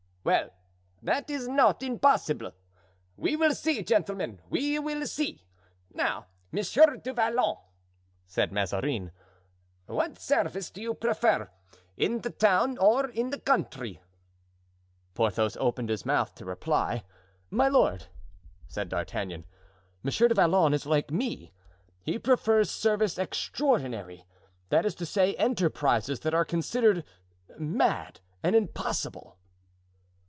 "Well, that is not impossible. We will see, gentlemen, we will see. Now, Monsieur de Vallon," said Mazarin, "what service do you prefer, in the town or in the country?" Porthos opened his mouth to reply. "My lord," said D'Artagnan, "Monsieur de Vallon is like me, he prefers service extraordinary—that is to say, enterprises that are considered mad and impossible."